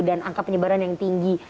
dan angka penyebaran yang tinggi